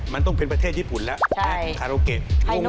มันต้องเป็นประเทศญี่ปุ่นละคาราโอเกะ